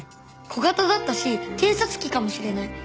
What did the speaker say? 小型だったし偵察機かもしれない。